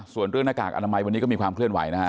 ส่วนเรื่องหน้ากากอนามัยวันนี้ก็มีความเคลื่อนไหวนะฮะ